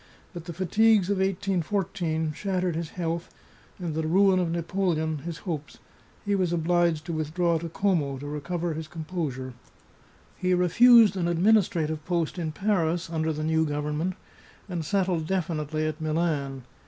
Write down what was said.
But the fatigues of 1814 shattered his health, and the ruin of Napoleon his hopes; he was obliged to with draw to Coma to recover his composure. He refused an administrative post in Paris under the new government, and settled definitely at Milan.